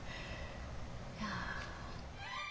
いや。